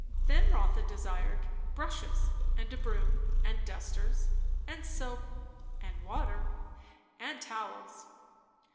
Then Rotha desired brushes and a broom and dusters, and soap and water and towels.